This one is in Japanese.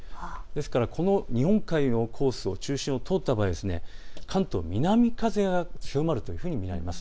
ですから日本海のコースの中心を通った場合、関東の南風が強まると予想されます。